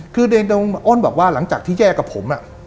คืออ้นบอกว่าหลังจากที่แยกกับผม